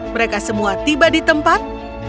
mereka semua tiba di tempat